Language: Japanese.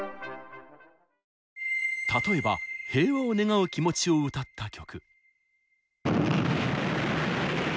例えば平和を願う気持ちを歌った曲。